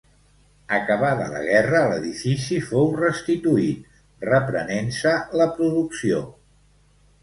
Acabada la guerra l'edifici fou restituït, reprenent-se la producció.